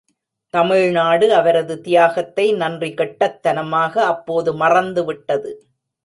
தமிழ்நாடு அவரது தியாகத்தை நன்றி கெட்டத்தனமாக அப்போது மறந்துவிட்டது.